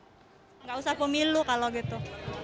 tidak usah pemilu kalau gitu